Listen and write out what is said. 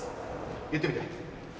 言ってみて。